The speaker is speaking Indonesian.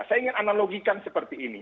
saya ingin analogikan seperti ini